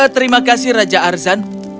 terima kasih raja arzan